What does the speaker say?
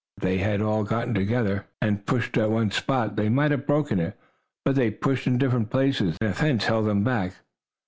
If they had all gotten together, and pushed at one spot, they might have broken it, but they pushed in different places, and the fence held them back.